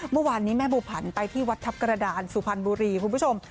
เมื่อวานนี้แม่บูผันไปที่วัดทัพกระดานสุพรรณบุรีคุณผู้ชม